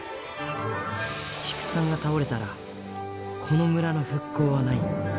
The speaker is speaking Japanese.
畜産が倒れたら、この村の復興はない。